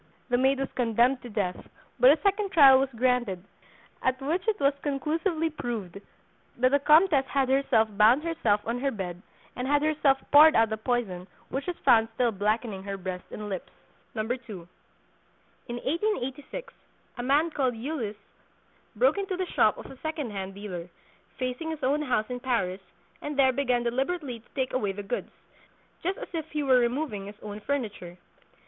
The maid was condemned to death; but a second trial was granted, at which it was conclusively proved that the Comtesse had herself bound herself on her bed, and had herself poured out the poison which was found still blackening her breast and lips. 2. In 1886 a man called Ulysse broke into the shop of a second hand dealer, facing his own house in Paris, and there began deliberately to take away the goods, just as if he were removing his own furniture.